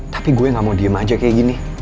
tapi gue gak mau diem aja kayak gini